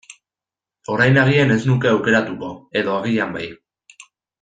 Orain agian ez nuke aukeratuko, edo agian bai.